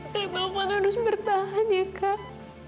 kak ufaan harus bertahan ya kak